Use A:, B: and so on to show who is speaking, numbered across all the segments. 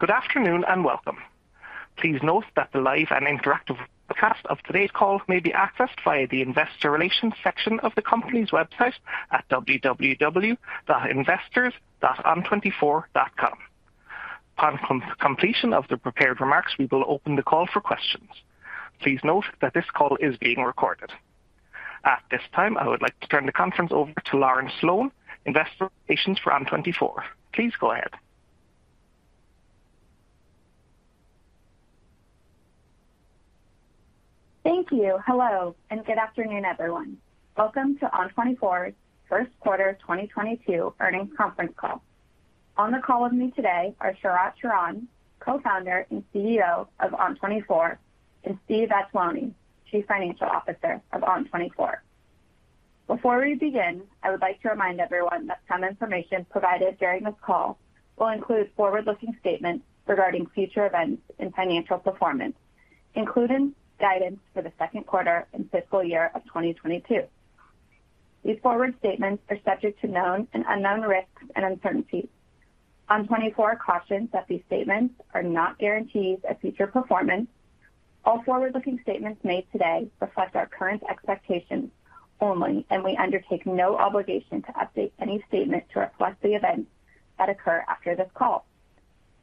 A: Good afternoon and welcome. Please note that the live and interactive cast of today's call may be accessed via the investor relations section of the company's website at www.investors.on24.com. Upon completion of the prepared remarks, we will open the call for questions. Please note that this call is being recorded. At this time, I would like to turn the conference over to Lauren Sloane, Investor Relations for ON24. Please go ahead.
B: Thank you. Hello, and good afternoon, everyone. Welcome to ON24's first quarter 2022 earnings conference call. On the call with me today are Sharat Sharan, Co-founder and CEO of ON24, and Steven Vattuone, Chief Financial Officer of ON24. Before we begin, I would like to remind everyone that some information provided during this call will include forward-looking statements regarding future events and financial performance, including guidance for the second quarter and fiscal year of 2022. These forward statements are subject to known and unknown risks and uncertainties. ON24 cautions that these statements are not guarantees of future performance. All forward-looking statements made today reflect our current expectations only, and we undertake no obligation to update any statement to reflect the events that occur after this call.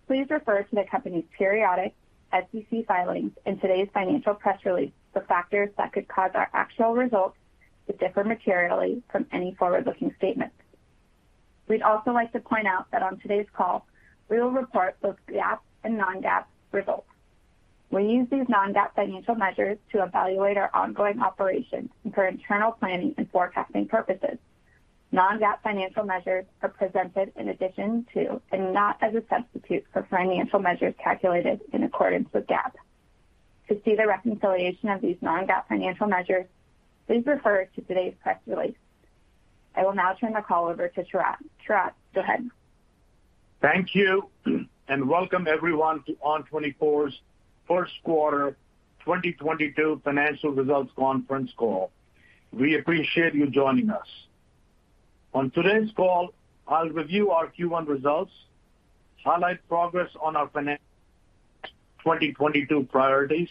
B: Please refer to the company's periodic SEC filings in today's financial press release for factors that could cause our actual results to differ materially from any forward-looking statement. We'd also like to point out that on today's call, we will report both GAAP and non-GAAP results. We use these non-GAAP financial measures to evaluate our ongoing operations and for internal planning and forecasting purposes. Non-GAAP financial measures are presented in addition to and not as a substitute for financial measures calculated in accordance with GAAP. To see the reconciliation of these non-GAAP financial measures, please refer to today's press release. I will now turn the call over to Sharat Sharan, go ahead.
C: Thank you, and welcome everyone to ON24's first quarter 2022 financial results conference call. We appreciate you joining us. On today's call, I'll review our Q1 results, highlight progress on our FY 2022 priorities,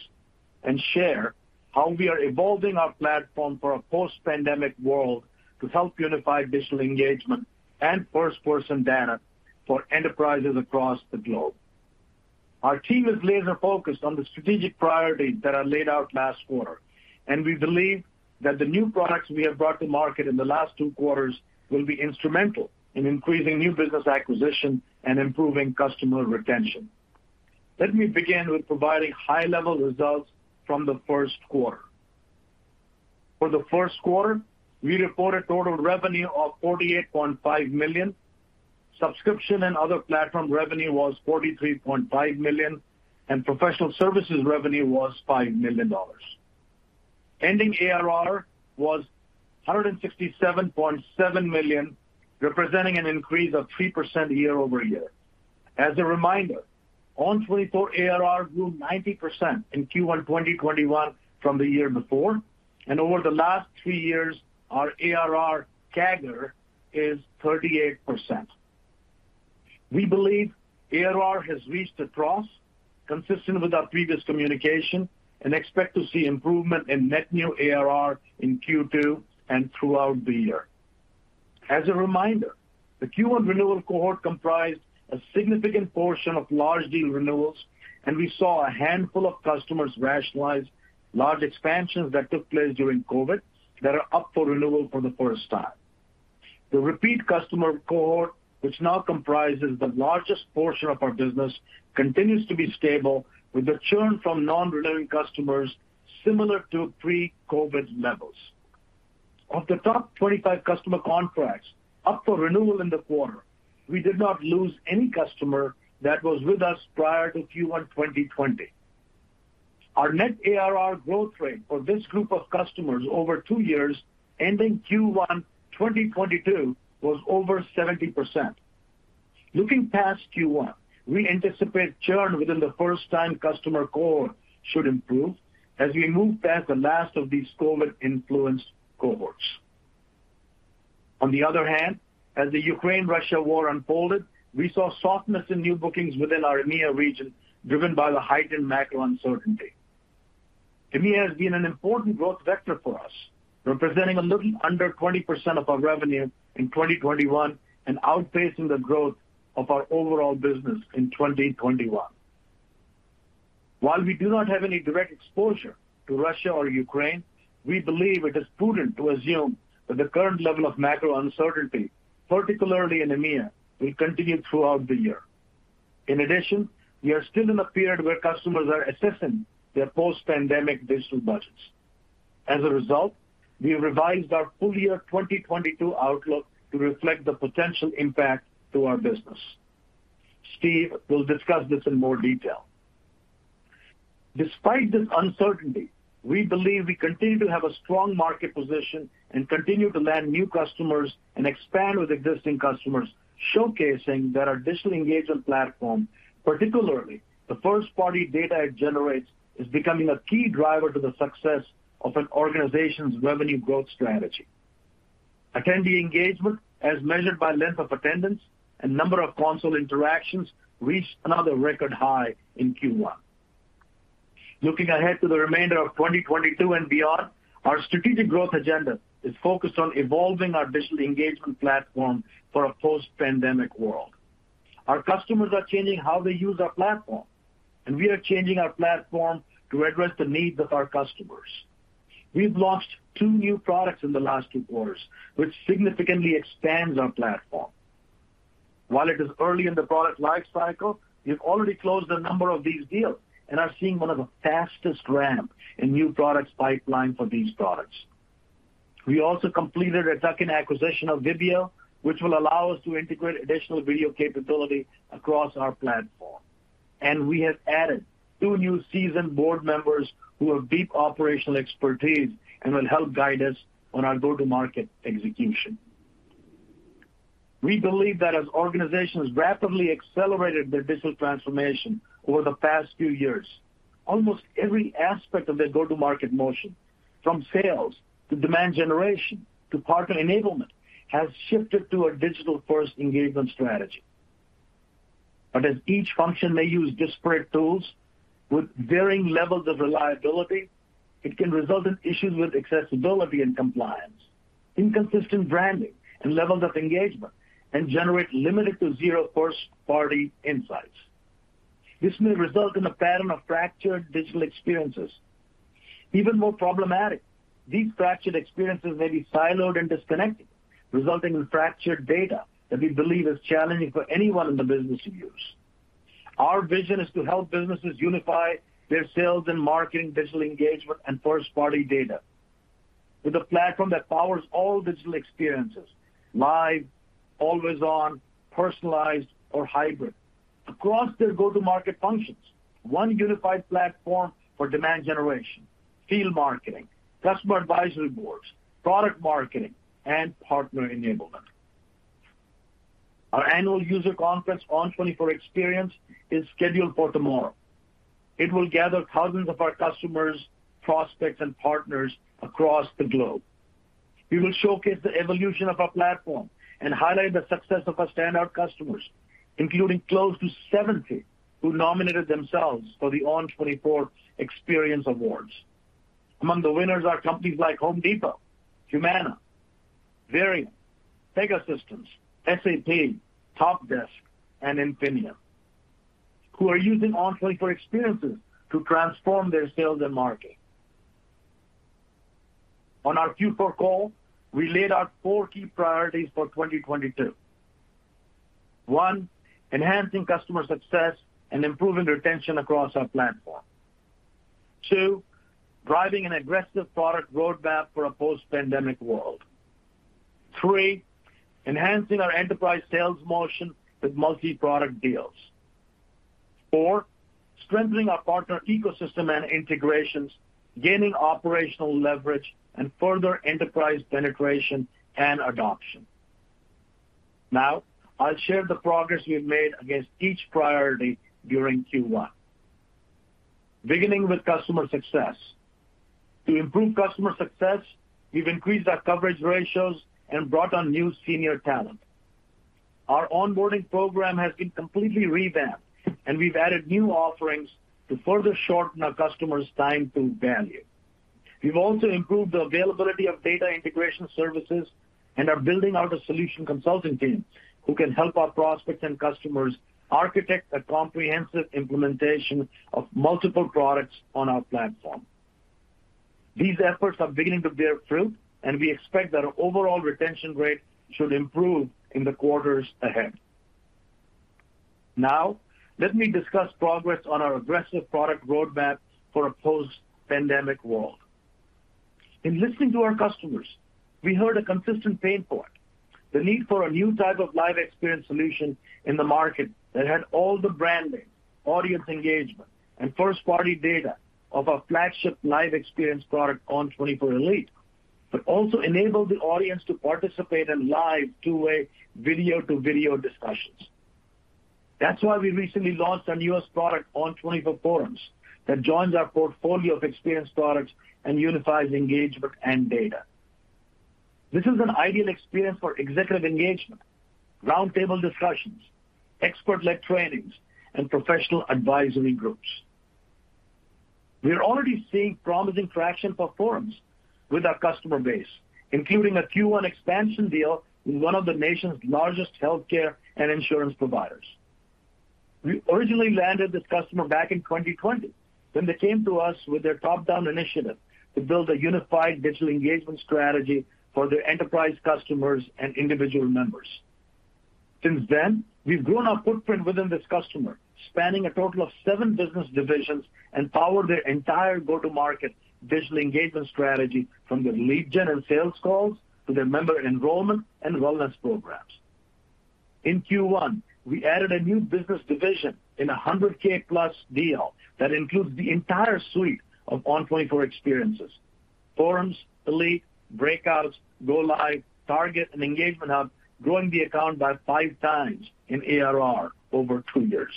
C: and share how we are evolving our platform for a post-pandemic world to help unify digital engagement and first-party data for enterprises across the globe. Our team is laser-focused on the strategic priorities that I laid out last quarter, and we believe that the new products we have brought to market in the last two quarters will be instrumental in increasing new business acquisition and improving customer retention. Let me begin with providing high-level results from the first quarter. For the first quarter, we reported total revenue of $48.5 million. Subscription and other platform revenue was $43.5 million, and professional services revenue was $5 million. Ending ARR was $167.7 million, representing an increase of 0.3% YoY As a reminder, ON24 ARR grew 90% in Q1 2021 from the year before, and over the last 3 years, our ARR CAGR is 38%. We believe ARR has reached a trough consistent with our previous communication and expect to see improvement in net new ARR in Q2 and throughout the year. As a reminder, the Q1 renewal cohort comprised a significant portion of large deal renewals, and we saw a handful of customers rationalize large expansions that took place during COVID that are up for renewal for the first time. The repeat customer cohort, which now comprises the largest portion of our business, continues to be stable with the churn from non-renewing customers similar to pre-COVID levels. Of the top 25 customer contracts up for renewal in the quarter, we did not lose any customer that was with us prior to Q1 2020. Our net ARR growth rate for this group of customers over two years ending Q1 2022 was over 70%. Looking past Q1, we anticipate churn within the first-time customer cohort should improve as we move past the last of these COVID-influenced cohorts. On the other hand, as the Ukraine-Russia war unfolded, we saw softness in new bookings within our EMEA region, driven by the heightened macro uncertainty. EMEA has been an important growth vector for us, representing a little under 20% of our revenue in 2021 and outpacing the growth of our overall business in 2021. While we do not have any direct exposure to Russia or Ukraine, we believe it is prudent to assume that the current level of macro uncertainty, particularly in EMEA, will continue throughout the year. In addition, we are still in a period where customers are assessing their post-pandemic digital budgets. As a result, we revised our full year 2022 outlook to reflect the potential impact to our business. Steve will discuss this in more detail. Despite this uncertainty, we believe we continue to have a strong market position and continue to land new customers and expand with existing customers, showcasing that our digital engagement platform, particularly the first-party data it generates, is becoming a key driver to the success of an organization's revenue growth strategy. Attendee engagement, as measured by length of attendance and number of console interactions, reached another record high in Q1. Looking ahead to the remainder of 2022 and beyond, our strategic growth agenda is focused on evolving our digital engagement platform for a post-pandemic world. Our customers are changing how they use our platform, and we are changing our platform to address the needs of our customers. We've launched two new products in the last two quarters, which significantly expands our platform. While it is early in the product life cycle, we've already closed a number of these deals and are seeing one of the fastest ramp in new products pipeline for these products. We also completed a tuck-in acquisition of VIBBIO, which will allow us to integrate additional video capability across our platform. We have added two new seasoned board members who have deep operational expertise and will help guide us on our go-to-market execution. We believe that as organizations rapidly accelerated their digital transformation over the past few years, almost every aspect of their go-to-market motion, from sales to demand generation to partner enablement, has shifted to a digital-first engagement strategy. As each function may use disparate tools with varying levels of reliability, it can result in issues with accessibility and compliance, inconsistent branding and levels of engagement, and generate limited to zero first-party insights. This may result in a pattern of fractured digital experiences. Even more problematic, these fractured experiences may be siloed and disconnected, resulting in fractured data that we believe is challenging for anyone in the business to use. Our vision is to help businesses unify their sales and marketing, digital engagement, and first-party data with a platform that powers all digital experiences, live, always-on, personalized, or hybrid across their go-to-market functions. One unified platform for demand generation, field marketing, customer advisory boards, product marketing, and partner enablement. Our Annual user conference, ON24 Experience, is scheduled for tomorrow. It will gather thousands of our customers, prospects, and partners across the globe. We will showcase the evolution of our platform and highlight the success of our standout customers, including close to 70 who nominated themselves for the ON24 Experience Awards. Among the winners are companies like Home Depot, Humana, Verint, Pegasystems, SAP, Talkdesk, and Infineum, who are using ON24 experiences to transform their sales and marketing. On our Q4 call, we laid out four key priorities for 2022. One, enhancing customer success and improving retention across our platform. Two, driving an aggressive product roadmap for a post-pandemic world. Three, enhancing our enterprise sales motion with multi-product deals. four, strengthening our partner ecosystem and integrations, gaining operational leverage, and further enterprise penetration and adoption. Now, I'll share the progress we've made against each priority during Q1. Beginning with customer success. To improve customer success, we've increased our coverage ratios and brought on new senior talent. Our onboarding program has been completely revamped, and we've added new offerings to further shorten our customers' time to value. We've also improved the availability of data integration services and are building out a solution consulting team who can help our prospects and customers architect a comprehensive implementation of multiple products on our platform. These efforts are beginning to bear fruit, and we expect that our overall retention rate should improve in the quarters ahead. Now, let me discuss progress on our aggressive product roadmap for a post-pandemic world. In listening to our customers, we heard a consistent pain point, the need for a new type of live experience solution in the market that had all the branding, audience engagement, and first-party data of our flagship live experience product, ON24 Elite, but also enabled the audience to participate in live two-way video-to-video discussions. That's why we recently launched our newest product, ON24 Forums, that joins our portfolio of experience products and unifies engagement and data. This is an ideal experience for executive engagement, roundtable discussions, expert-led trainings, and professional advisory groups. We're already seeing promising traction for Forums with our customer base, including a Q1 expansion deal with one of the nation's largest healthcare and insurance providers. We originally landed this customer back in 2020 when they came to us with their top-down initiative to build a unified digital engagement strategy for their enterprise customers and individual members. Since then, we've grown our footprint within this customer, spanning a total of seven business divisions, and powered their entire go-to-market digital engagement strategy from their lead gen and sales calls to their member enrollment and wellness programs. In Q1, we added a new business division in a $100K+ deal that includes the entire suite of ON24 experiences, Forums, Elite, Breakouts, GoLive, Target, and Engagement Hub, growing the account by five times in ARR over two years.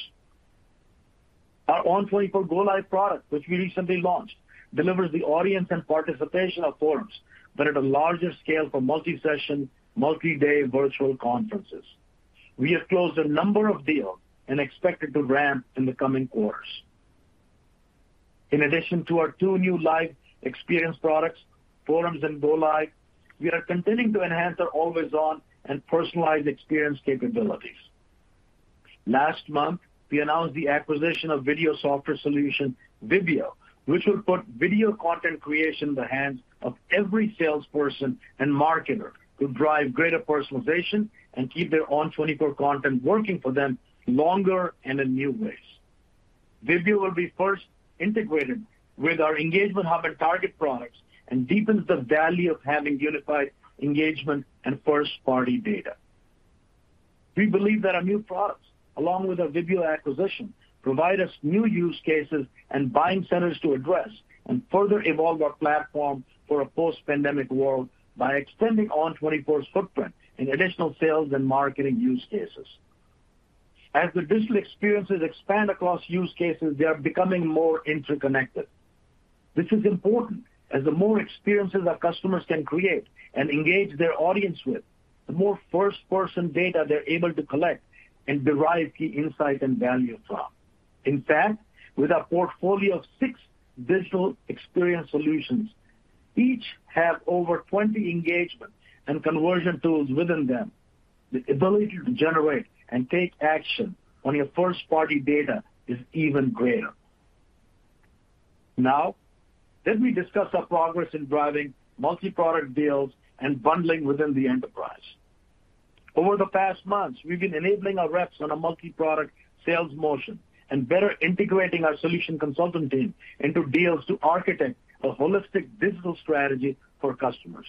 C: Our ON24 GoLive product, which we recently launched, delivers the audience and participation of Forums, but at a larger scale for multi-session, multi-day virtual conferences. We have closed a number of deals and expect it to ramp in the coming quarters. In addition to our two new live experience products, Forums and GoLive, we are continuing to enhance our always-on and personalized experience capabilities. Last month, we announced the acquisition of video software solution, VIBBIO, which will put video content creation in the hands of every salesperson and marketer to drive greater personalization and keep their ON24 content working for them longer and in new ways. VIBBIO will be first integrated with our Engagement Hub and Target products and deepens the value of having unified engagement and first-party data. We believe that our new products, along with our VIBBIO acquisition, provide us new use cases and buying centers to address and further evolve our platform for a post-pandemic world by extending ON24 footprint in additional sales and marketing use cases. As the digital experiences expand across use cases, they are becoming more interconnected. This is important as the more experiences our customers can create and engage their audience with, the more first-party data they're able to collect and derive key insights and value from. In fact, with our portfolio of six digital experience solutions, each have over 20 engagement and conversion tools within them. The ability to generate and take action on your first-party data is even greater. Now, let me discuss our progress in driving multi-product deals and bundling within the enterprise. Over the past months, we've been enabling our reps on a multi-product sales motion and better integrating our solution consultant team into deals to architect a holistic digital strategy for customers.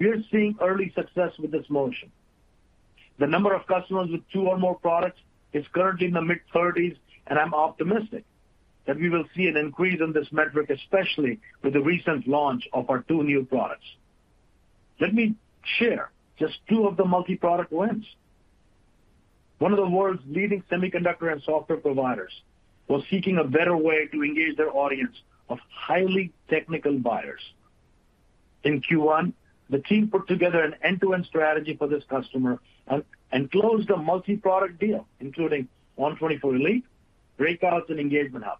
C: We are seeing early success with this motion. The number of customers with two or more products is currently in the mid-30s, and I'm optimistic that we will see an increase in this metric, especially with the recent launch of our two new products. Let me share just two of the multi-product wins. One of the world's leading semiconductor and software providers was seeking a better way to engage their audience of highly technical buyers. In Q1, the team put together an end-to-end strategy for this customer and closed a multi-product deal, including ON24 Elite, Breakouts, and Engagement Hub.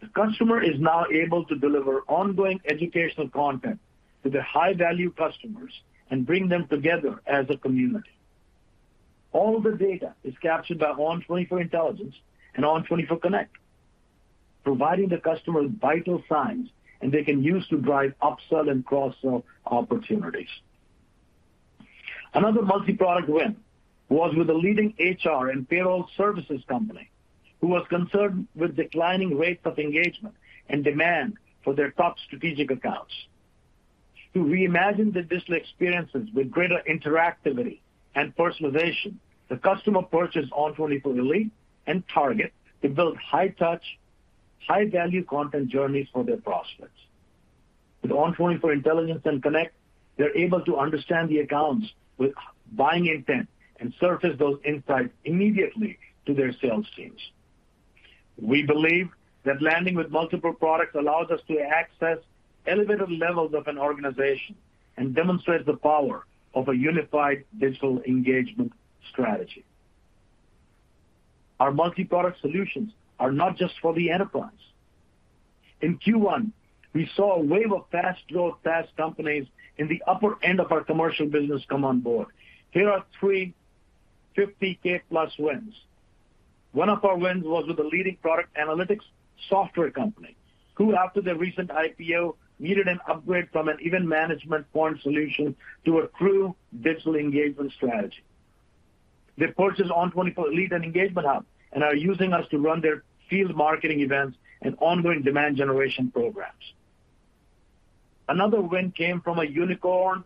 C: The customer is now able to deliver ongoing educational content to their high-value customers and bring them together as a community. All the data is captured by ON24 Intelligence and ON24 Connect, providing the customer vital insights, and they can use to drive upsell and cross-sell opportunities. Another multi-product win was with a leading HR and payroll services company who was concerned with declining rates of engagement and demand for their top strategic accounts. To reimagine the digital experiences with greater interactivity and personalization, the customer purchased ON24 Elite and Target to build high-touch, high-value content journeys for their prospects. With ON24 Intelligence and Connect, they're able to understand the accounts with buying intent and surface those insights immediately to their sales teams. We believe that landing with multiple products allows us to access elevated levels of an organization and demonstrate the power of a unified digital engagement strategy. Our multi-product solutions are not just for the enterprise. In Q1, we saw a wave of fast-growth SaaS companies in the upper end of our commercial business come on board. Here are $350,000+ wins. One of our wins was with a leading product analytics software company who, after their recent IPO, needed an upgrade from an event management point solution to a true digital engagement strategy. They purchased ON24 Elite and Engagement Hub and are using us to run their field marketing events and ongoing demand generation programs. Another win came from a unicorn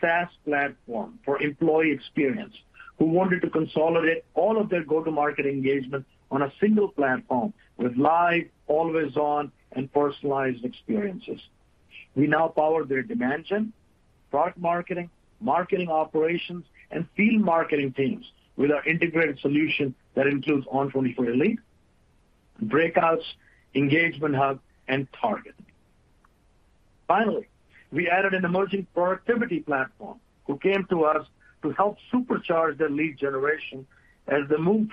C: SaaS platform for employee experience who wanted to consolidate all of their go-to-market engagement on a single platform with live, always-on, and personalized experiences. We now power their demand gen, product marketing operations, and field marketing teams with our integrated solution that includes ON24 Elite, Breakouts, Engagement Hub, and Target. Finally, we added an emerging productivity platform who came to us to help supercharge their lead generation as they move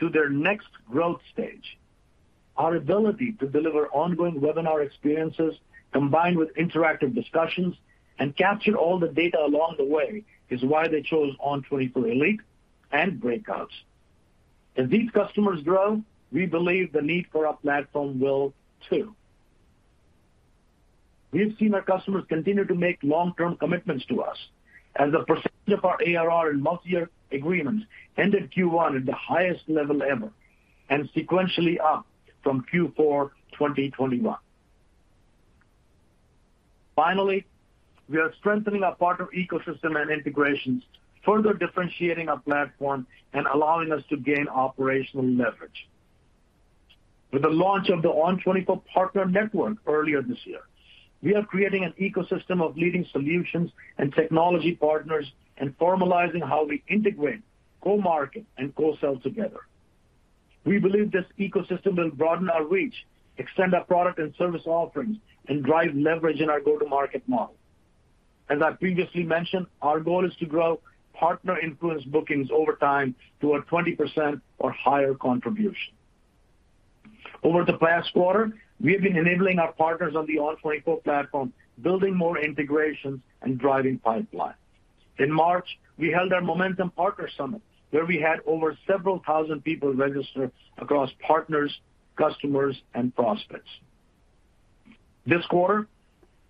C: to their next growth stage. Our ability to deliver ongoing webinar experiences combined with interactive discussions and capture all the data along the way is why they chose ON24 Elite and Breakouts. As these customers grow, we believe the need for our platform will too. We've seen our customers continue to make long-term commitments to us as a percentage of our ARR and multi-year agreements ended Q1 at the highest level ever and sequentially up from Q4 2021. Finally, we are strengthening our partner ecosystem and integrations, further differentiating our platform and allowing us to gain operational leverage. With the launch of the ON24 Partner Network earlier this year. We are creating an ecosystem of leading solutions and technology partners and formalizing how we integrate, go market, and go sell together. We believe this ecosystem will broaden our reach, extend our product and service offerings, and drive leverage in our go-to-market model. As I previously mentioned, our goal is to grow partner-influenced bookings over time to a 20% or higher contribution. Over the past quarter, we have been enabling our partners on the ON24 platform, building more integrations and driving pipeline. In March, we held our Momentum Partner Summit, where we had over several thousand people registered across partners, customers, and prospects. This quarter,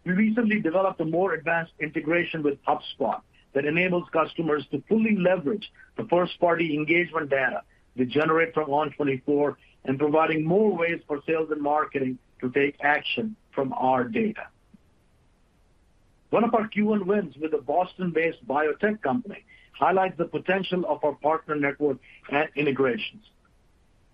C: we recently developed a more advanced integration with HubSpot that enables customers to fully leverage the first-party engagement data they generate from ON24 and providing more ways for sales and marketing to take action from our data. One of our Q1 wins with a Boston-based biotech company highlights the potential of our partner network and integrations.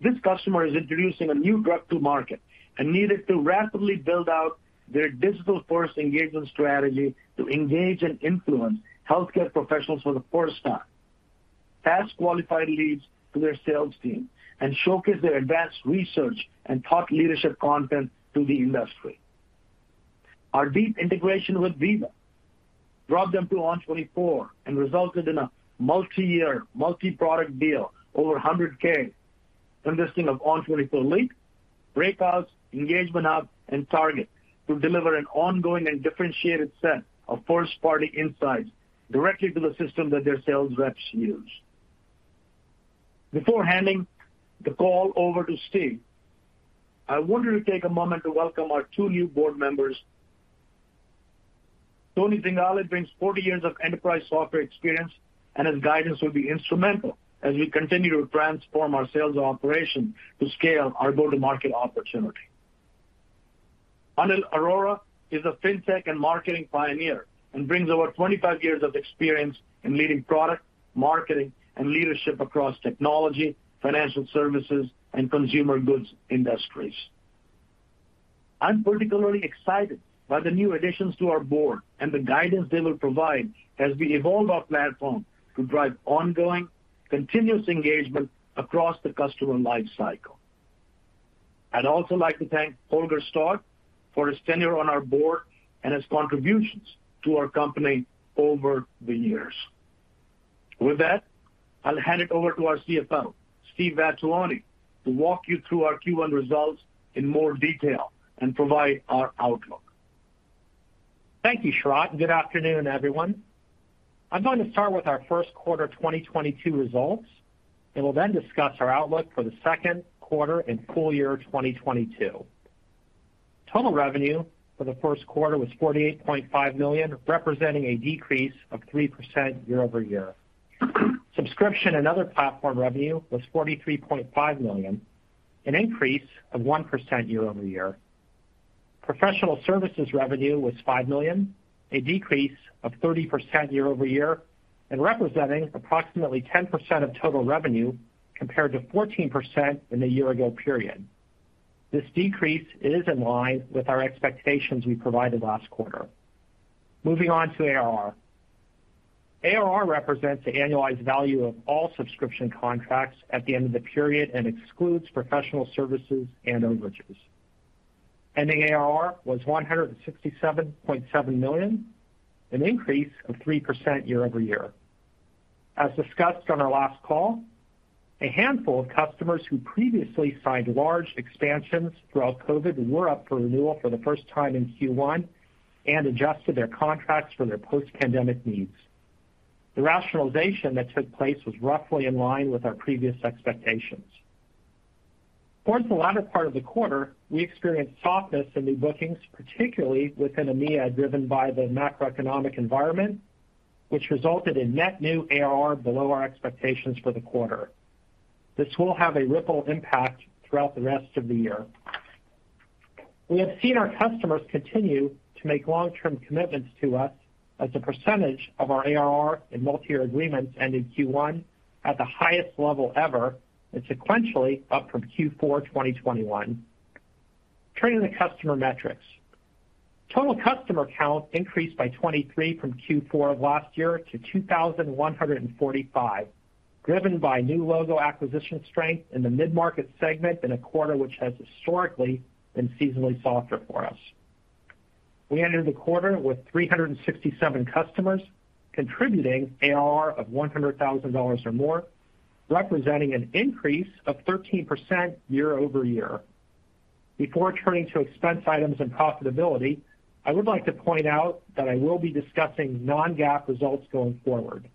C: This customer is introducing a new drug to market and needed to rapidly build out their digital first engagement strategy to engage and influence healthcare professionals for the first time, pass qualified leads to their sales team, and showcase their advanced research and thought leadership content to the industry. Our deep integration with Veeva drove them to ON24 and resulted in a multi-year, multi-product deal over $100,000 Consisting of ON24 Elite, Breakouts, Engagement Hub, and Target to deliver an ongoing and differentiated set of first-party insights directly to the system that their sales reps use. Before handing the call over to Steve, I wanted to take a moment to welcome our new board members. Tony Zingale brings 40 years of enterprise software experience, and his guidance will be instrumental as we continue to transform our sales operation to scale our go-to-market opportunity. Anil Arora is a fintech and marketing pioneer and brings over 25 years of experience in leading product, marketing, and leadership across technology, financial services, and consumer goods industries. I'm particularly excited by the new additions to our board and the guidance they will provide as we evolve our platform to drive ongoing, continuous engagement across the customer life cycle. I'd also like to thank Holger Staude for his tenure on our board and his contributions to our company over the years. With that, I'll hand it over to our CFO, Steve Vattuone, to walk you through our Q1 results in more detail and provide our outlook.
D: Thank you, Sharat. Good afternoon, everyone. I'm going to start with our first quarter 2022 results, and will then discuss our outlook for the second quarter and full year 2022. Total revenue for the first quarter was $48.5 million, representing a decrease of 0.3% YoY. Subscription and other platform revenue was $43.5 million, an increase of 0.1% YoY. Professional services revenue was $5 million, a decrease of 30% YoY, and representing approximately 10% of total revenue compared to 14% in the year-ago period. This decrease is in line with our expectations we provided last quarter. Moving on to ARR. ARR represents the annualized value of all subscription contracts at the end of the period and excludes professional services and overages. Ending ARR was $167.7 million, an increase of 0.3% YoY. As discussed on our last call, a handful of customers who previously signed large expansions throughout COVID were up for renewal for the first time in Q1 and adjusted their contracts for their post-pandemic needs. The rationalization that took place was roughly in line with our previous expectations. Toward the latter part of the quarter, we experienced softness in new bookings, particularly within EMEA, driven by the macroeconomic environment, which resulted in net new ARR below our expectations for the quarter. This will have a ripple impact throughout the rest of the year. We have seen our customers continue to make long-term commitments to us, as a percentage of our ARR in multi-year agreements ended Q1 at the highest level ever and sequentially up from Q4 2021. Turning to customer metrics. Total customer count increased by 23 from Q4 of last year to 2,145, driven by new logo acquisition strength in the mid-market segment in a quarter which has historically been seasonally softer for us. We entered the quarter with 367 customers contributing ARR of $100,000 or more, representing an increase of 13% year-over-year. Before turning to expense items and profitability, I would like to point out that I will be discussing non-GAAP results going forward.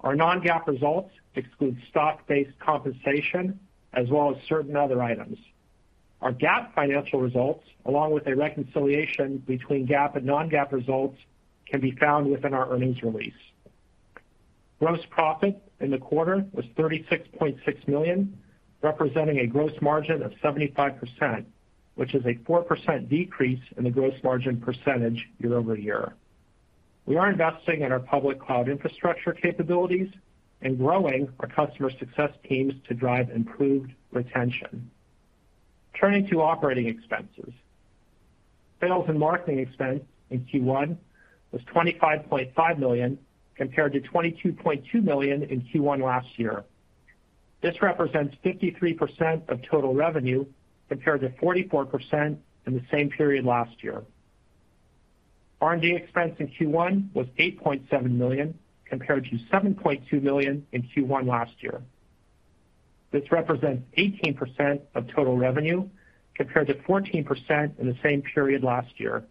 D: Our non-GAAP results exclude stock-based compensation as well as certain other items. Our GAAP financial results, along with a reconciliation between GAAP and non-GAAP results, can be found within our earnings release. Gross profit in the quarter was $36.6 million, representing a gross margin of 75%, which is a 0.4% decrease in the gross margin percentage YoY We are investing in our public cloud infrastructure capabilities and growing our customer success teams to drive improved retention. Turning to operating expenses. Sales and marketing expense in Q1 was $25.5 million compared to $22.2 million in Q1 last year. This represents 53% of total revenue compared to 44% in the same period last year. R&D expense in Q1 was $8.7 million compared to $7.2 million in Q1 last year. This represents 18% of total revenue compared to 14% in the same period last year.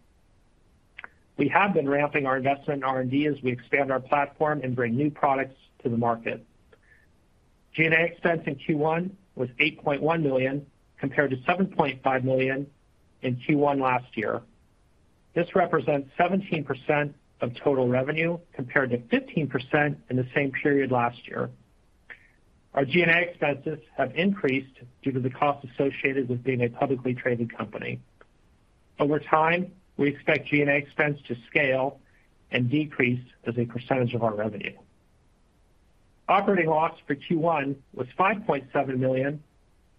D: We have been ramping our investment in R&D as we expand our platform and bring new products to the market. G&A expense in Q1 was $8.1 million to $7.5 million in Q1 last year. This represents 17% of total revenue compared to 15% in the same period last year. Our G&A expenses have increased due to the cost associated with being a publicly traded company. Over time, we expect G&A expense to scale and decrease as a percentage of our revenue. Operating loss for Q1 was $5.7 million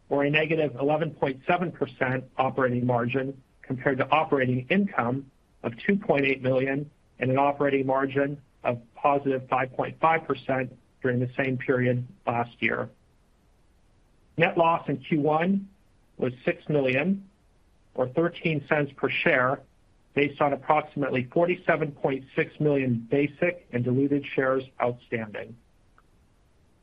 D: or a -11.7% operating margin compared to operating income of $2.8 million and an operating margin of +5.5% during the same period last year. Net loss in Q1 was $6 million or $0.13 per share based on approximately $47.6 million basic and diluted shares outstanding.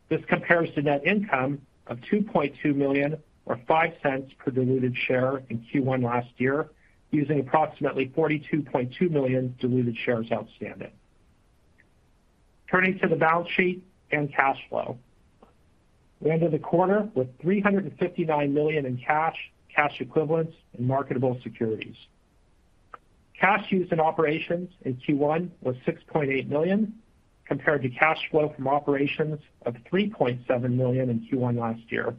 D: This compares to net income of $2.2 million to $0.05 per diluted share in Q1 last year, using approximately $42.2 million diluted shares outstanding. Turning to the balance sheet and cash flow. We ended the quarter with $359 million in cash equivalents and marketable securities. Cash used in operations in Q1 was $6.8 million compared to cash flow from operations of $3.7 million in Q1 last year.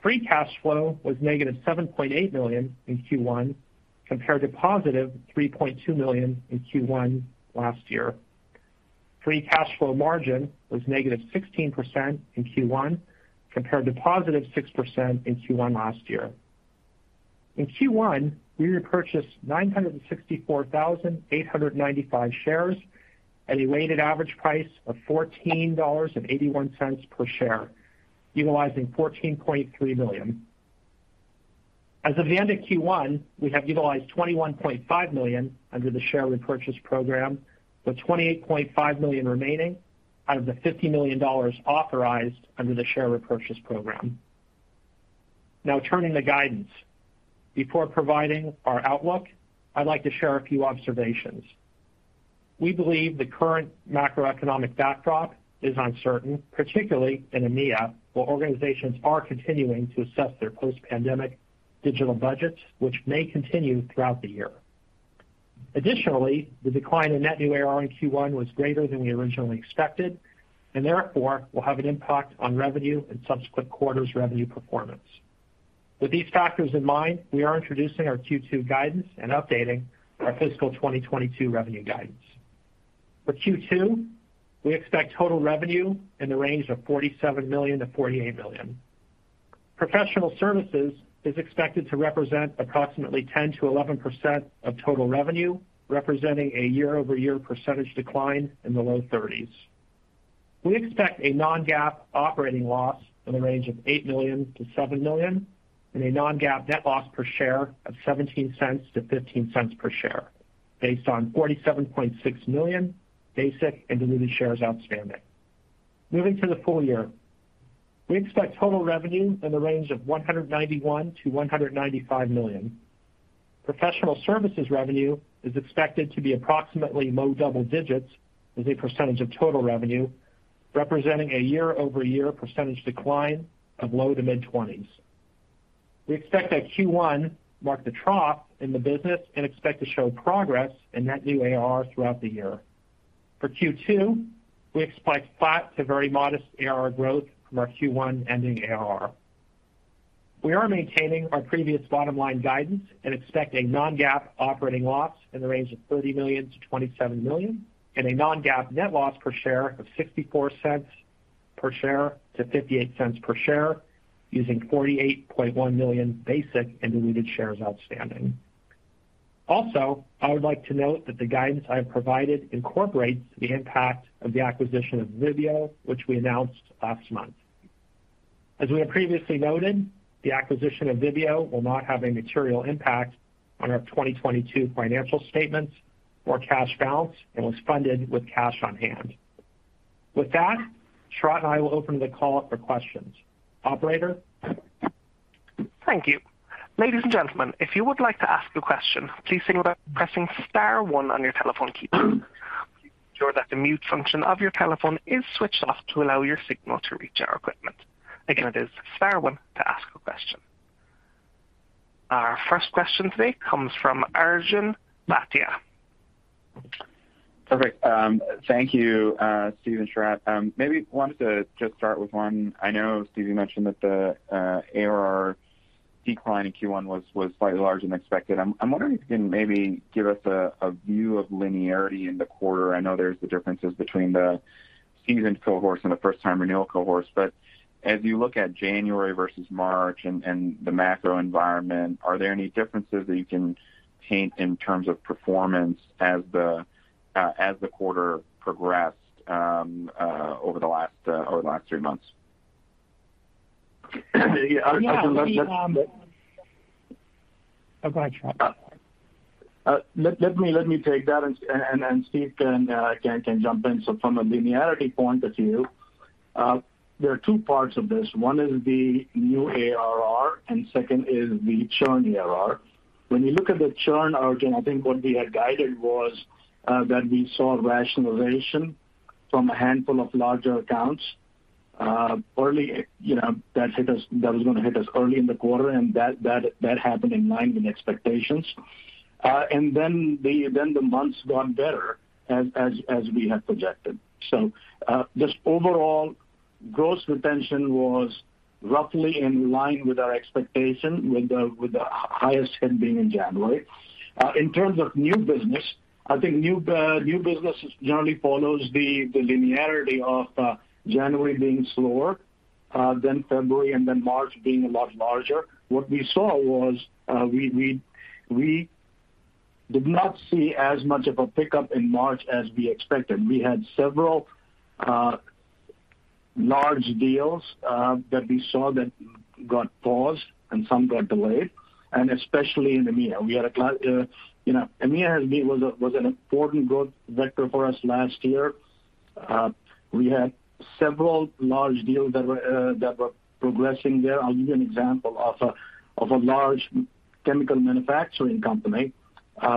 D: Free cash flow was -$7.8 million in Q1 compared to positive $3.2 million in Q1 last year. Free cash flow margin was -16% in Q1 compared to positive 0.6% in Q1 last year. In Q1, we repurchased 964,895 shares at a weighted average price of $14.81 per share, utilizing $14.3 million. As of the end of Q1, we have utilized $21.5 million under the share repurchase program, with $28.5 million remaining out of the $50 million authorized under the share repurchase program. Now turning to guidance. Before providing our outlook, I'd like to share a few observations. We believe the current macroeconomic backdrop is uncertain, particularly in EMEA, where organizations are continuing to assess their post-pandemic digital budgets, which may continue throughout the year. Additionally, the decline in net new ARR in Q1 was greater than we originally expected and therefore will have an impact on revenue and subsequent quarters' revenue performance. With these factors in mind, we are introducing our Q2 guidance and updating our fiscal 2022 revenue guidance. For Q2, we expect total revenue in the range of $47 million to $48 million. Professional services is expected to represent approximately 10% to 11% of total revenue, representing a YoY percentage decline in the low 30s. We expect a non-GAAP operating loss in the range of $8 million to $7 million, and a non-GAAP net loss per share of $0.17 to $0.15 per share based on 47.6 million basic and diluted shares outstanding. Moving to the full year. We expect total revenue in the range of $191 million to $195 million. Professional services revenue is expected to be approximately low double digits as a percentage of total revenue, representing a YoY percentage decline of low to mid-20s. We expect that Q1 marked a trough in the business and expect to show progress in net new ARR throughout the year. For Q2, we expect flat to very modest ARR growth from our Q1 ending ARR. We are maintaining our previous bottom-line guidance and expect a non-GAAP operating loss in the range of $30 million-$27 million and a non-GAAP net loss per share of $0.64 per share to $0.58 per share using 48.1 million basic and diluted shares outstanding. Also, I would like to note that the guidance I have provided incorporates the impact of the acquisition of VIBBIO, which we announced last month. As we have previously noted, the acquisition of VIBBIO will not have a material impact on our 2022 financial statements or cash balance, and was funded with cash on hand. With that, Sharat and I will open the call up for questions. Operator?
A: Thank you. Ladies and gentlemen, if you would like to ask a question, please signal by pressing star one on your telephone keypad. Please ensure that the mute function of your telephone is switched off to allow your signal to reach our equipment. Again, it is star one to ask a question. Our first question today comes from Arjun Bhatia.
E: Perfect. Thank you, Steve and Sharat. Maybe wanted to just start with one. I know Steve, you mentioned that the ARR Decline in Q1 was quite large and expected. I'm wondering if you can maybe give us a view of linearity in the quarter. I know there's the differences between the seasoned cohort and the first-time renewal cohort, but as you look at January versus March and the macro environment, are there any differences that you can paint in terms of performance as the quarter progressed over the last three months?
C: Yeah.
D: Yeah.
C: Arjun, let me-
D: Oh, go ahead, Sharat.
C: Let me take that and Steve can jump in. From a linearity point of view, there are two parts of this. One is the new ARR and second is the churn ARR. When you look at the churn, Arjun, I think what we had guided was that we saw rationalization from a handful of larger accounts, early, you know, that was gonna hit us early in the quarter, and that happened in line with expectations. Then the months got better as we had projected. Just overall gross retention was roughly in line with our expectation with the highest spend being in January. In terms of new business, I think new business generally follows the linearity of January being slower, then February and then March being a lot larger. What we saw was we did not see as much of a pickup in March as we expected. We had several large deals that we saw that got paused and some got delayed, and especially in EMEA. You know, EMEA was an important growth vector for us last year. We had several large deals that were progressing there. I'll give you an example of a large chemical manufacturing company.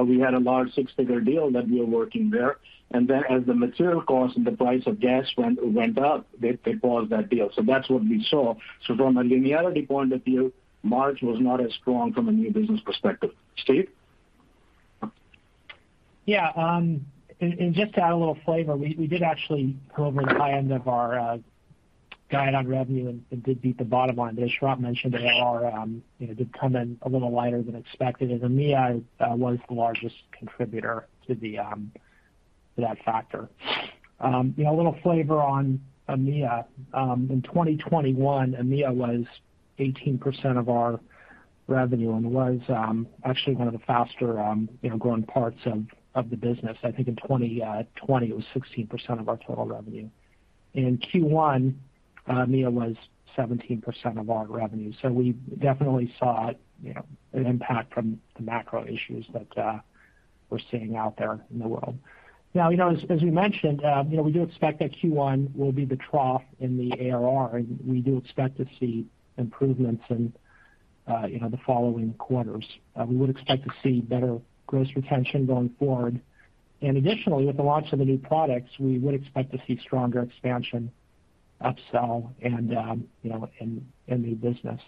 C: We had a large six-figure deal that we were working there, and then as the material cost and the price of gas went up, they paused that deal. That's what we saw. From a linearity point of view, March was not as strong from a new business perspective. Steve?
D: Yeah. Just to add a little flavor, we did actually go over the high end of our guide on revenue and did beat the bottom line. As Sharat mentioned, the ARR did come in a little lighter than expected, and EMEA was the largest contributor to that factor. You know, a little flavor on EMEA. In 2021 EMEA was 18% of our revenue and was actually one of the faster growing parts of the business. I think in 2020 it was 16% of our total revenue. In Q1 EMEA was 17% of our revenue, so we definitely saw an impact from the macro issues that we're seeing out there in the world. Now, you know, as we mentioned, you know, we do expect that Q1 will be the trough in the ARR, and we do expect to see improvements in, you know, the following quarters. We would expect to see better gross retention going forward. Additionally, with the launch of the new products, we would expect to see stronger expansion, upsell and, you know, in new business.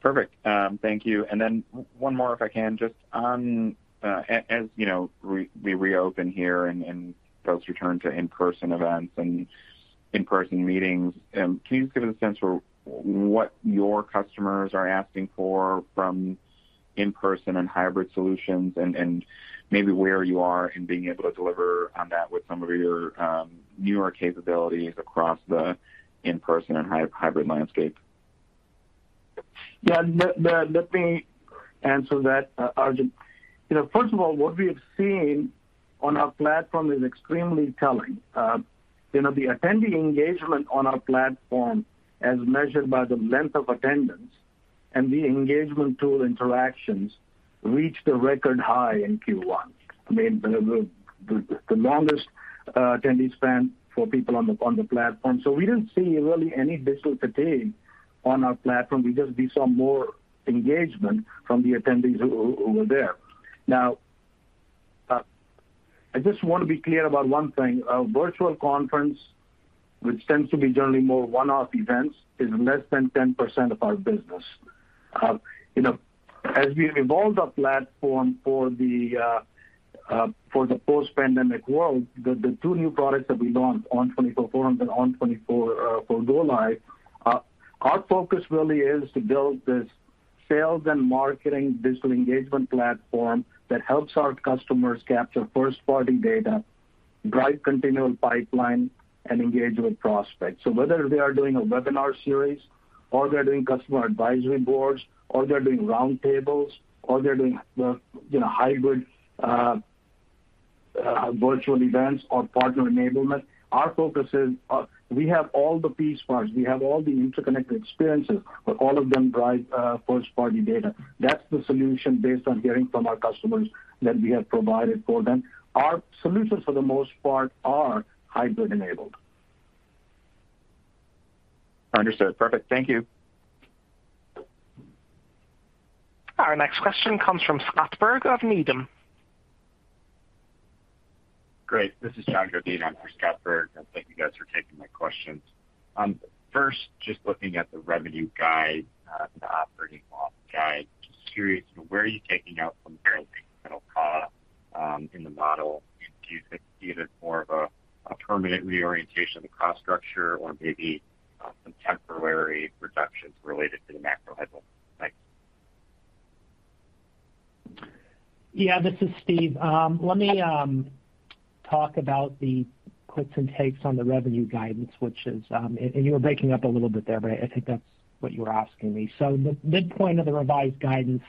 E: Perfect. Thank you. One more if I can. Just on, as you know, we reopen here and folks return to in-person events and in-person meetings. Can you just give us a sense for what your customers are asking for from in-person and hybrid solutions and maybe where you are in being able to deliver on that with some of your newer capabilities across the in-person and hybrid landscape?
C: Yeah. Let me answer that, Arjun. You know, first of all, what we have seen on our platform is extremely telling. You know, the attendee engagement on our platform, as measured by the length of attendance and the engagement tool interactions, reached a record high in Q1. I mean, the longest attendee spend for people on the platform. So we didn't see really any digital fatigue on our platform. We just saw more engagement from the attendees who were there. Now, I just wanna be clear about one thing. A virtual conference, which tends to be generally more one-off events, is less than 10% of our business. You know, as we evolve the platform for the post-pandemic world, the two new products that we launched, ON24 Forums and ON24 Go Live, our focus really is to build this sales and marketing digital engagement platform that helps our customers capture first-party data, drive continual pipeline, and engage with prospects. Whether they are doing a webinar series, or they're doing customer advisory boards, or they're doing roundtables or they're doing the, you know, hybrid virtual events or partner enablement, our focus is, we have all the piece parts, we have all the interconnected experiences, but all of them drive first-party data. That's the solution based on hearing from our customers that we have provided for them. Our solutions for the most part are hybrid-enabled.
E: Understood. Perfect. Thank you.
A: Our next question comes from Scott Berg of Needham.
F: Great. This is John Godin. I'm for Scott Berg. Thank you guys for taking my questions. First, just looking at the revenue guide, the operating model guide, just curious, you know, where are you taking out from here? In the model, do you think it's either more of a permanent reorientation of the cost structure or maybe some temporary reductions related to the macro headwind? Thanks.
D: Yeah, this is Steve. Let me talk about the puts and takes on the revenue guidance, which is. You were breaking up a little bit there, but I think that's what you were asking me. The midpoint of the revised guidance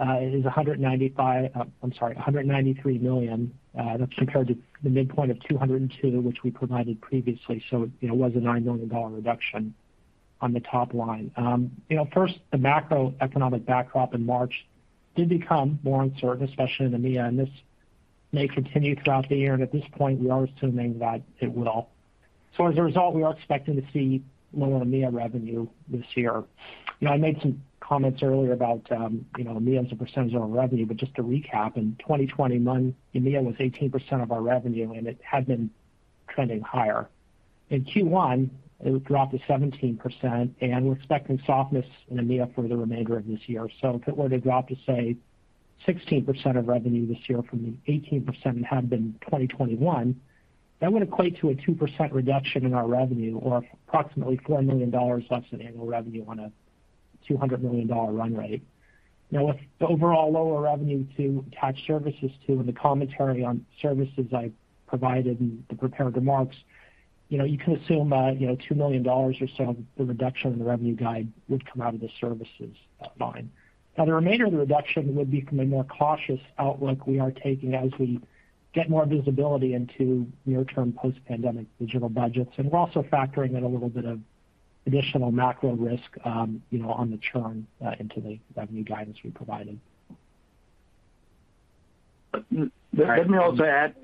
D: is $193 million, that's compared to the midpoint of $202 million, which we provided previously, so, you know, it was a $9 million reduction on the top line. You know, first, the macroeconomic backdrop in March did become more uncertain, especially in EMEA, and this may continue throughout the year, and at this point we are assuming that it will. As a result, we are expecting to see lower EMEA revenue this year. You know, I made some comments earlier about, you know, EMEA as a percentage of our revenue, but just to recap, in 2021, EMEA was 18% of our revenue, and it had been trending higher. In Q1, it dropped to 17%, and we're expecting softness in EMEA for the remainder of this year. If it were to drop to, say, 16% of revenue this year from the 18% it had been in 2021, that would equate to a 0.2% reduction in our revenue or approximately $4 million less in annual revenue on a $200 million run rate. Now with the overall lower revenue to attach services to and the commentary on services I provided in the prepared remarks, you know, you can assume, you know, $2 million or so of the reduction in the revenue guide would come out of the services line. Now, the remainder of the reduction would be from a more cautious outlook we are taking as we get more visibility into near-term post-pandemic digital budgets, and we're also factoring in a little bit of additional macro risk, you know, on the churn into the revenue guidance we provided.
F: Uh, l-
D: All right.
C: Let me also add,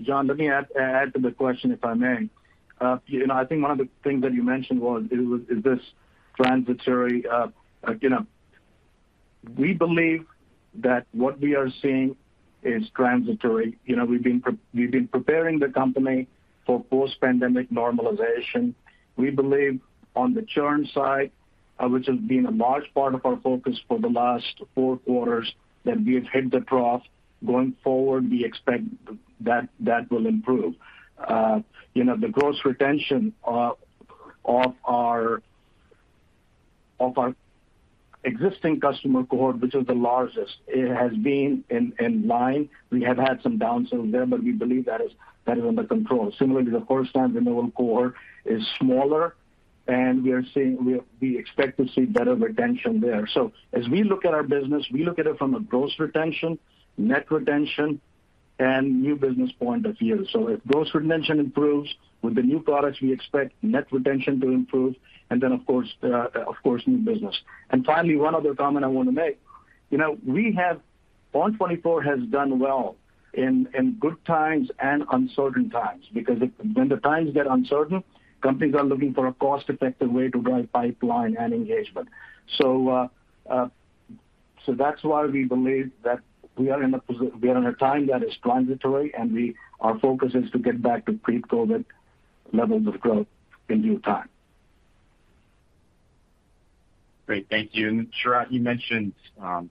C: John, let me add to the question, if I may. You know, I think one of the things that you mentioned was is this transitory. We believe that what we are seeing is transitory. You know, we've been preparing the company for post-pandemic normalization. We believe on the churn side, which has been a large part of our focus for the last four quarters, that we have hit the trough. Going forward, we expect that will improve. You know, the gross retention of our existing customer cohort, which is the largest, it has been in line. We have had some downsells there, but we believe that is under control. Similarly, the first-time renewal cohort is smaller, and we expect to see better retention there. As we look at our business, we look at it from a gross retention, net retention, and new business point of view. If gross retention improves with the new products, we expect net retention to improve and then, of course, new business. Finally, one other comment I wanna make. ON24 has done well in good times and uncertain times because when the times get uncertain, companies are looking for a cost-effective way to drive pipeline and engagement. That's why we believe that we are in a time that is transitory and our focus is to get back to pre-COVID levels of growth in due time.
F: Great. Thank you. Then, Sharat, you mentioned, you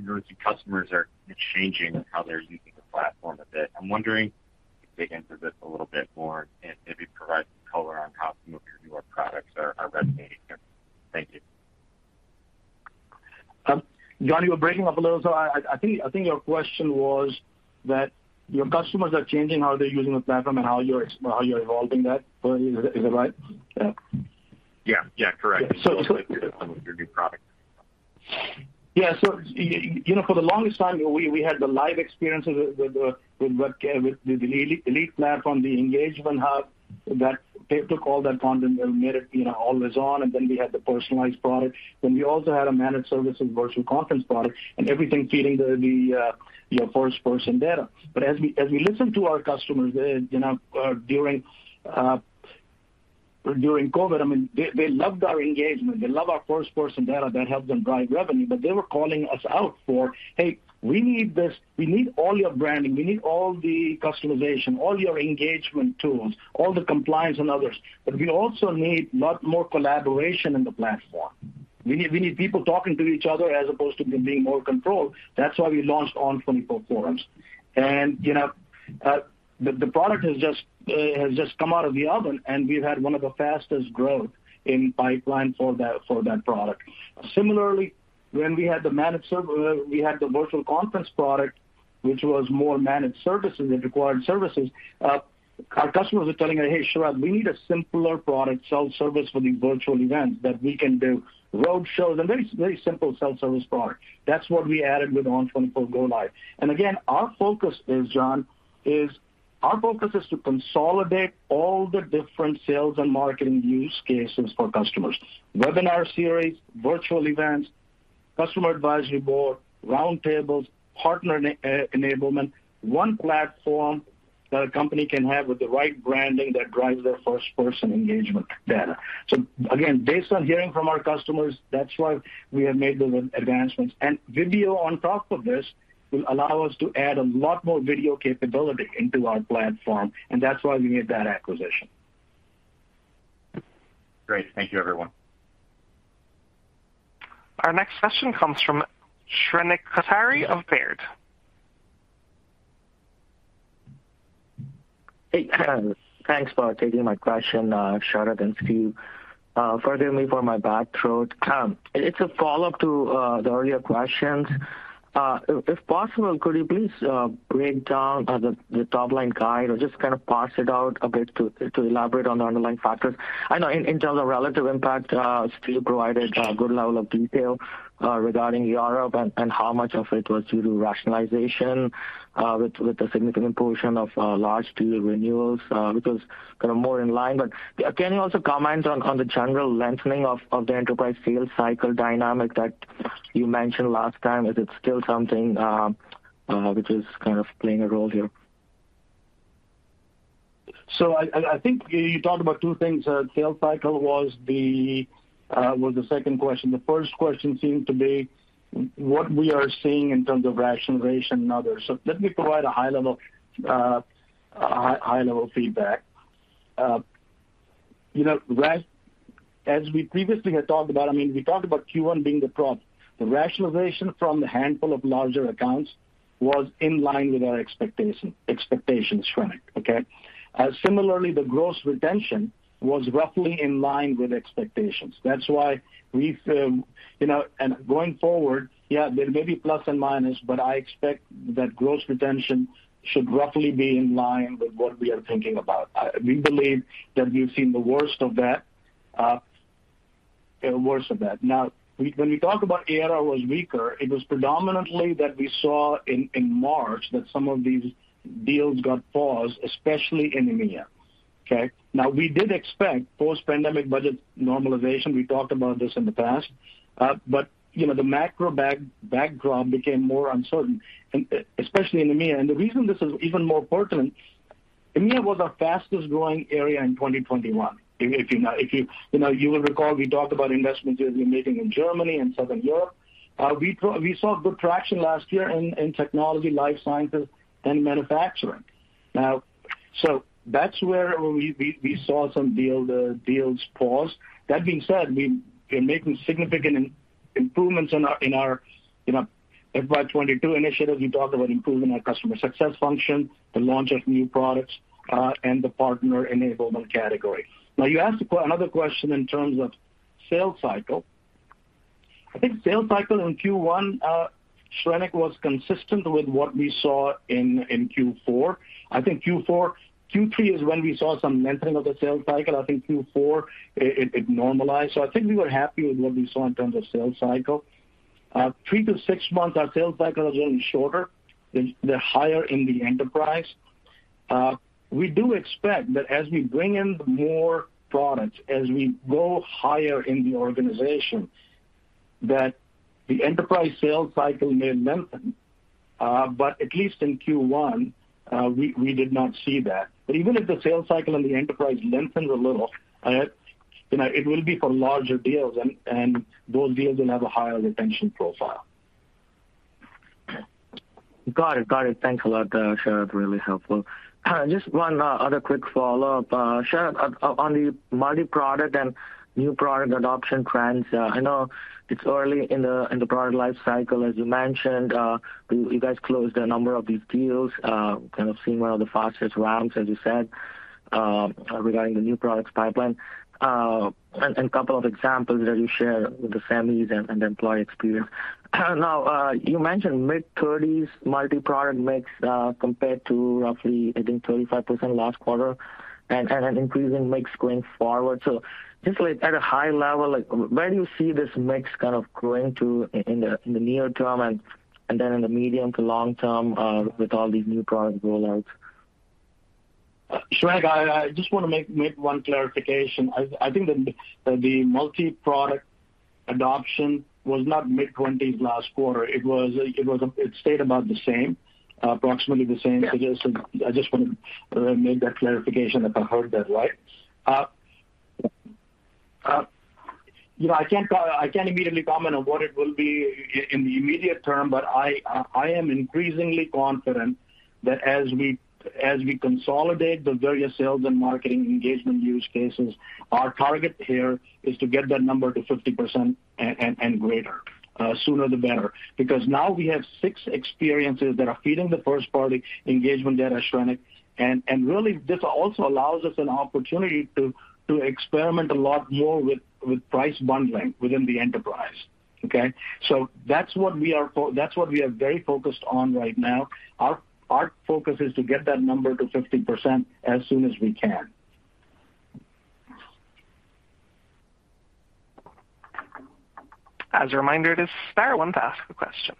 F: know, customers are changing how they're using the platform a bit. I'm wondering if you could dig into this a little bit more and maybe provide some color on how some of your newer products are resonating there. Thank you.
C: John, you were breaking up a little, so I think your question was that your customers are changing how they're using the platform and how you're evolving that. Is that right? Yeah.
F: Yeah. Yeah, correct.
C: So, so-
F: Some of your new products.
C: You know, for the longest time we had the live experiences with the Elite platform, the Engagement Hub that they took all that content and made it, you know, always on, and then we had the personalized product. Then we also had a managed service and virtual conference product, and everything feeding the first-party data. As we listened to our customers during COVID, I mean, they loved our engagement. They love our first-party data that helped them drive revenue. But they were calling us out for, "Hey, we need this. We need all your branding. We need all the customization, all your engagement tools, all the compliance and others. But we also need lot more collaboration in the platform. We need people talking to each other as opposed to being more controlled." That's why we launched ON24 Forums. The product has just come out of the oven, and we've had one of the fastest growth in pipeline for that product. Similarly, when we had the managed service, we had the virtual conference product, which was more managed services. It required services. Our customers were telling us, "Hey, Sharat, we need a simpler product, self-service for these virtual events that we can do roadshows," and very simple self-service product. That's what we added with ON24 Go Live. Our focus is, John, to consolidate all the different sales and marketing use cases for customers. Webinar series, virtual events, customer advisory board, roundtables, partner enablement. One platform that a company can have with the right branding that drives their first-party engagement data. Again, based on hearing from our customers, that's why we have made those advancements. VIBBIO on top of this will allow us to add a lot more video capability into our platform, and that's why we made that acquisition. Great. Thank you, everyone.
A: Our next question comes from Shrenik Kothari of Baird.
G: Hey, thanks for taking my question, Sharat and Steven. Forgive me for my bad throat. It's a follow-up to the earlier questions. If possible, could you please break down the top-line guide or just kind of parse it out a bit to elaborate on the underlying factors? I know in terms of relative impact, Steve provided a good level of detail regarding Europe and how much of it was due to rationalization with a significant portion of large deal renewals, which was kind of more in line. Can you also comment on the general lengthening of the enterprise sales cycle dynamic that you mentioned last time? Is it still something which is kind of playing a role here?
C: I think you talked about two things. Sales cycle was the second question. The first question seemed to be what we are seeing in terms of rationalization and others. Let me provide a high level feedback. You know, as we previously had talked about, I mean, we talked about Q1 being the problem. The rationalization from the handful of larger accounts was in line with our expectations, Shrenik, okay? Similarly, the gross retention was roughly in line with expectations. That's why we've going forward, yeah, there may be plus and minus, but I expect that gross retention should roughly be in line with what we are thinking about. We believe that we've seen the worst of that. When we talk about ARR was weaker, it was predominantly that we saw in March that some of these deals got paused, especially in EMEA. Okay? We did expect post-pandemic budget normalization. We talked about this in the past. But, you know, the macro background became more uncertain, and especially in EMEA. The reason this is even more pertinent, EMEA was our fastest growing area in 2021. You know, you will recall we talked about investments we'll be making in Germany and Southern Europe. We saw good traction last year in technology, life sciences and manufacturing. That's where we saw some deals pause. That being said, we're making significant improvements in our, you know, FY 2022 initiatives. We talked about improving our customer success function, the launch of new products, and the partner enablement category. Now, you asked another question in terms of sales cycle. I think sales cycle in Q1, Shrenik, was consistent with what we saw in Q4. I think Q3 is when we saw some lengthening of the sales cycle. I think Q4 it normalized. I think we were happy with what we saw in terms of sales cycle. 3-6 months, our sales cycle is only shorter than the higher in the enterprise. We do expect that as we bring in more products, as we go higher in the organization, that the enterprise sales cycle may lengthen. At least in Q1, we did not see that. Even if the sales cycle in the enterprise lengthens a little, you know, it will be for larger deals and those deals will have a higher retention profile.
G: Got it. Thanks a lot, Sharat. Really helpful. Just one other quick follow-up. Sharat, on the multi-product and new product adoption trends, I know it's early in the product life cycle, as you mentioned. You guys closed a number of these deals, kind of seeing one of the fastest ramps, as you said, regarding the new products pipeline. Couple of examples that you shared with the families and the employee experience. Now, you mentioned mid-thirties multi-product mix, compared to roughly, I think, 35% last quarter and an increasing mix going forward. Just like at a high level, like where do you see this mix kind of growing to in the near term and then in the medium to long term, with all these new product rollouts?
C: Shrenik, I just wanna make one clarification. I think the multi-product adoption was not mid-twenties last quarter. It stayed about the same, approximately the same.
G: Yeah.
C: I just want to make that clarification if I heard that right. You know, I can't immediately comment on what it will be in the immediate term, but I am increasingly confident that as we consolidate the various sales and marketing engagement use cases, our target here is to get that number to 50% and greater, sooner the better. Because now we have six experiences that are feeding the first-party engagement data, Shrenik. Really, this also allows us an opportunity to experiment a lot more with price bundling within the enterprise, okay? That's what we are very focused on right now. Our focus is to get that number to 50% as soon as we can.
A: As a reminder, it is star one to ask a question.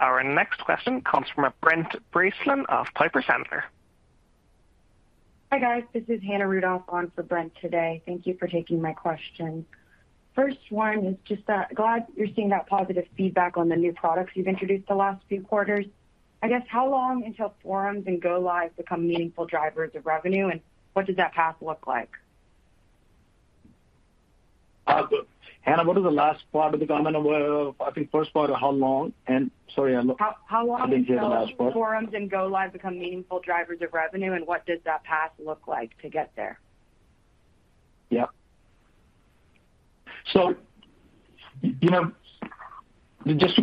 A: Our next question comes from Brent Bracelin of Piper Sandler.
H: Hi, guys. This is Hannah Rudoff on for Brent today. Thank you for taking my question. First one is just glad you're seeing that positive feedback on the new products you've introduced the last few quarters. I guess how long until Forums and Go Live become meaningful drivers of revenue, and what does that path look like?
C: Hannah, what was the last part of the comment? Well, I think first part of how long and sorry.
H: How long until?
C: I didn't hear the last part.
H: Forums and Go Live become meaningful drivers of revenue, and what does that path look like to get there?
C: Yeah. You know, just to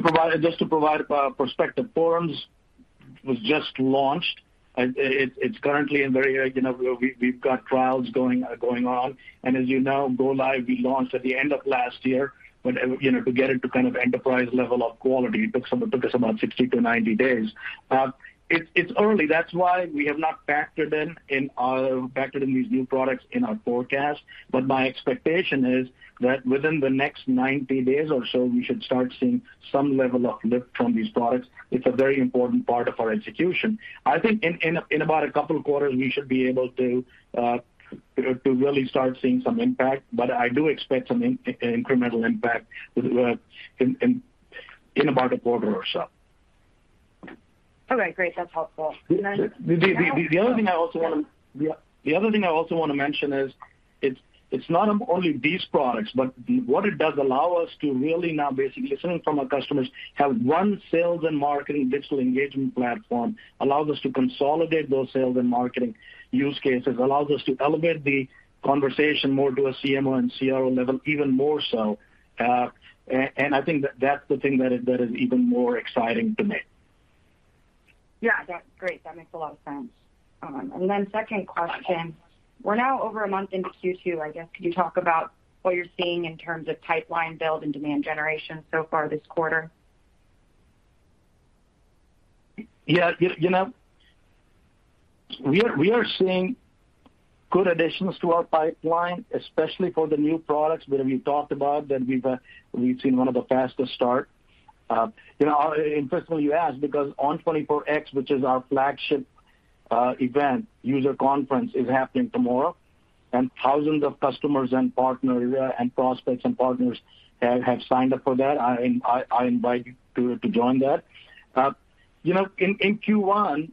C: provide perspective, Forums was just launched. It is currently in very, you know, we've got trials going on. As you know, GoLive we launched at the end of last year. You know, to get it to kind of enterprise level of quality, it took us about 60 to 90 days. It is early, that is why we have not factored in these new products in our forecast. My expectation is that within the next 90 days or so, we should start seeing some level of lift from these products. It is a very important part of our execution. I think in about a couple of quarters, we should be able to really start seeing some impact. I do expect some incremental impact within about a quarter or so.
H: Okay, great. That's helpful.
C: The other thing I also wanna mention is it's not only these products, but what it does allow us to really now basically, listening from our customers, have one sales and marketing digital engagement platform, allows us to consolidate those sales and marketing use cases, allows us to elevate the conversation more to a CMO and CRO level even more so. And I think that's the thing that is even more exciting to me.
H: Yeah, that's great. That makes a lot of sense. Second question. We're now over a month into Q2, I guess could you talk about what you're seeing in terms of pipeline build and demand generation so far this quarter?
C: You know, we are seeing good additions to our pipeline, especially for the new products that we talked about, that we've seen one of the fastest start. Personally you asked because ON24X, which is our flagship event user conference, is happening tomorrow, and thousands of customers and partners and prospects and partners have signed up for that. I invite you to join that. You know, in Q1,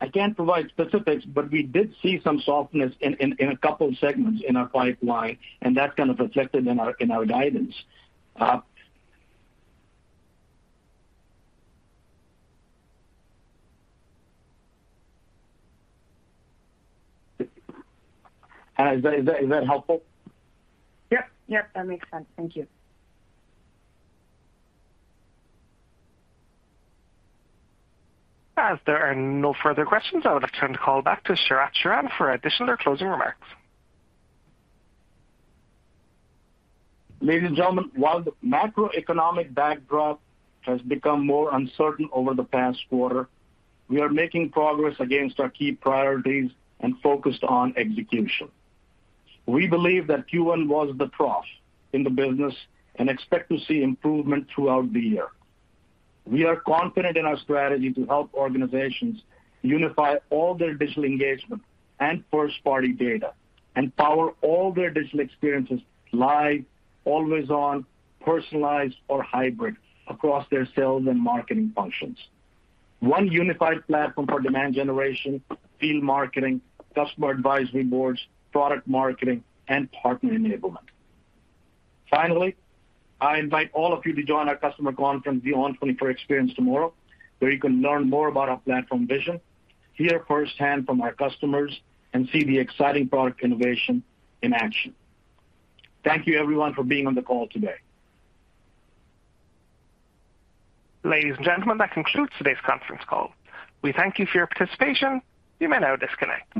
C: I can't provide specifics, but we did see some softness in a couple of segments in our pipeline, and that's kind of reflected in our guidance. Hannah, is that helpful?
H: Yep, yep, that makes sense. Thank you.
A: As there are no further questions, I would now turn the call back to Sharat Sharan for additional closing remarks.
C: Ladies and gentlemen, while the macroeconomic backdrop has become more uncertain over the past quarter, we are making progress against our key priorities and focused on execution. We believe that Q1 was the trough in the business and expect to see improvement throughout the year. We are confident in our strategy to help organizations unify all their digital engagement and first-party data and power all their digital experiences live, always on, personalized or hybrid across their sales and marketing functions. One unified platform for demand generation, field marketing, customer advisory boards, product marketing and partner enablement. Finally, I invite all of you to join our customer conference, the ON24 Experience tomorrow, where you can learn more about our platform vision, hear firsthand from our customers, and see the exciting product innovation in action. Thank you everyone for being on the call today.
A: Ladies and gentlemen, that concludes today's conference call. We thank you for your participation. You may now disconnect.